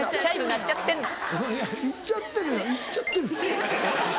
「鳴っちゃってる」